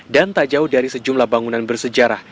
dan tak jauh dari sejumlah bangunan bersejarah